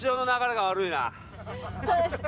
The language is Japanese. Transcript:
そうですか？